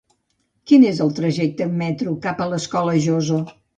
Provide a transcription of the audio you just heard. Quin és el trajecte en metro cap a l'Escola Joso?